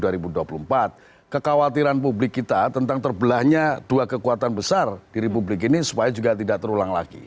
jadi kita harus berhati hati dengan publik kita tentang terbelahnya dua kekuatan besar di republik ini supaya juga tidak terulang lagi